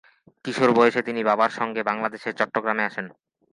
কিশোর বয়সে তিনি বাবার সঙ্গে বাংলাদেশের চট্টগ্রামে চলে আসেন।